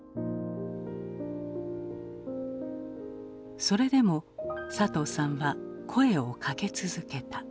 それでも佐藤さんは声をかけ続けた。